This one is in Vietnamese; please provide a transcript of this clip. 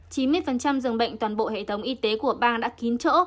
chín mươi dường bệnh toàn bộ hệ thống y tế của bang đã kín chỗ